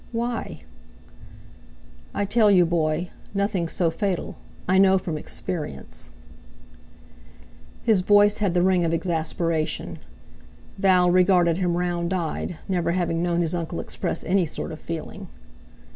"Why?" "I tell you, boy, nothing's so fatal. I know from experience." His voice had the ring of exasperation. Val regarded him round eyed, never having known his uncle express any sort of feeling.